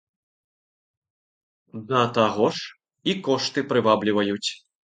Да таго ж, і кошты прывабліваюць.